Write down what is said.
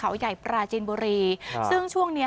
เขาใหญ่ปราจินบุรีซึ่งช่วงเนี้ย